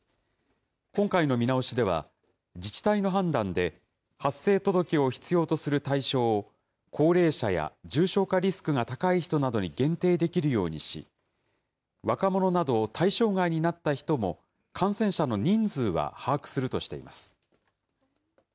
今回の見直しでは、自治体の判断で発生届を必要とする対象を、高齢者や重症化リスクが高い人などに限定できるようにし、若者など、対象外になった人も、感染者の人数は把握するとしています。